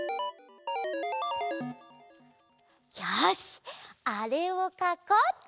よしあれをかこうっと！